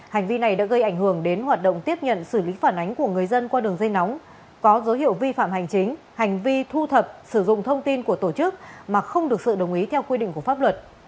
hành vi này đã gây ảnh hưởng đến hoạt động tiếp nhận xử lý phản ánh của người dân qua đường dây nóng có dấu hiệu vi phạm hành chính hành vi thu thập sử dụng thông tin của tổ chức mà không được sự đồng ý theo quy định của pháp luật